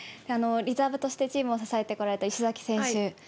リザーブとしてチームを支えてこられた石崎選手。